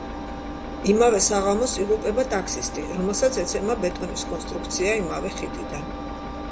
იმავე საღამოს იღუპება ტაქსისტი, რომელსაც ეცემა ბეტონის კონსტრუქცია იმავე ხიდიდან.